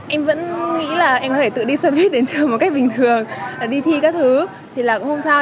em vẫn nghĩ là em có thể tự đi sơ huyết đến trường một cách bình thường đi thi các thứ thì là cũng không sao